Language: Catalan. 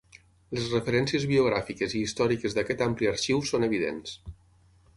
Les referències biogràfiques i històriques d'aquest ampli arxiu són evidents.